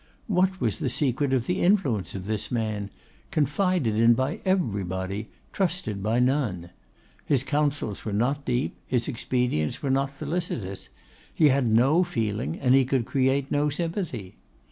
What was the secret of the influence of this man, confided in by everybody, trusted by none? His counsels were not deep, his expedients were not felicitous; he had no feeling, and he could create no sympathy.